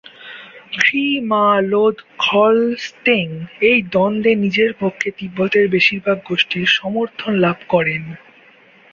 খ্রি-মা-লোদ-খ্র্ল-স্তেং এই দ্বন্দ্বে নিজের পক্ষে তিব্বতের বেশিরভাগ গোষ্ঠীর সমর্থন লাভ করেন।